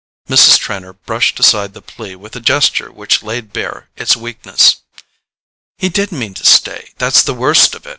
Mrs. Trenor brushed aside the plea with a gesture which laid bare its weakness. "He did mean to stay—that's the worst of it.